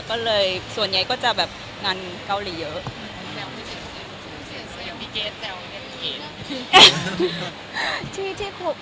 ก็เลยส่วนใหญ่ก็จะแบบงานเกาหลีเยอะ